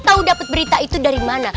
tahu dapat berita itu dari mana